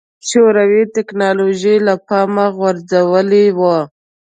شوروي ټکنالوژي له پامه غورځولې وه.